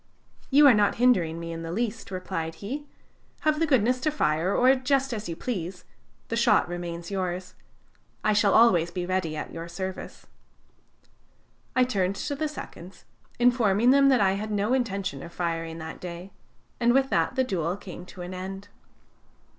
"'You are not hindering me in the least,' replied he. 'Have the goodness to fire, or just as you please the shot remains yours; I shall always be ready at your service.' "I turned to the seconds, informing them that I had no intention of firing that day, and with that the duel came to an end.